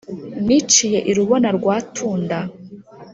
Niciye i Rubona rwa Tunda